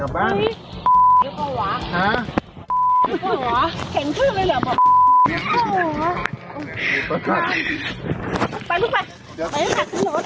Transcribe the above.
ไปลุซไปอ่ะไปเข้ารถ